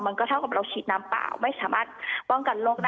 เท่ากับเราฉีดน้ำเปล่าไม่สามารถป้องกันโรคได้